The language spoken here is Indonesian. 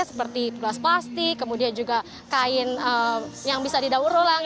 seperti gelas plastik kemudian juga kain yang bisa didaur ulang